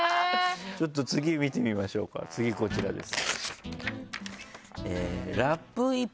ちょっと次見てみましょうか次こちらです。